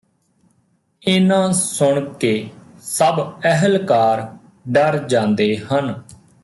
ਏਨਾ ਸੁਣ ਕੇ ਸਭ ਅਹਿਲਕਾਰ ਡਰ ਜਾਂਦੇ ਹਨ